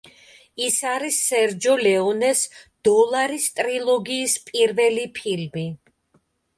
ის არის სერჯო ლეონეს „დოლარის ტრილოგიის“ პირველი ფილმი.